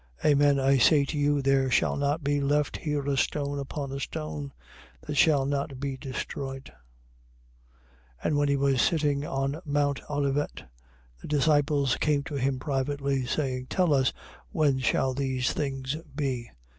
Amen I say to you, there shall not be left here a stone upon a stone that shall not be destroyed. 24:3. And when he was sitting on mount Olivet, the disciples came to him privately, saying: Tell us when shall these things be?